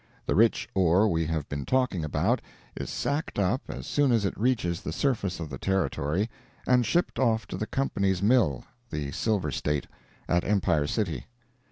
The rich ore we have been talking about is sacked up as soon as it reaches the surface of the Territory, and shipped off to the Company's mill (the Silver State) at Empire City.